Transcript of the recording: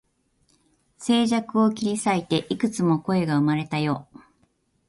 静寂を切り裂いて、幾つも声が生まれたよ